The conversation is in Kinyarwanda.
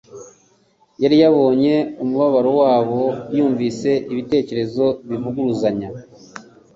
Yari yabonye umubabaro wabo; yumvaga ibitekerezo bivuguruzanya